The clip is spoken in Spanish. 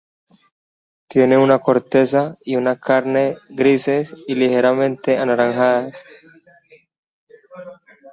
Tiene una corteza y una carne grises y ligeramente anaranjadas.